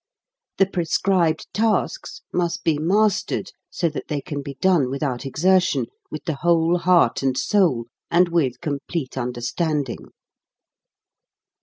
The prescribed tasks must be mas tered so that they can be done without exer tion, with the whole heart and soul, and with complete understanding.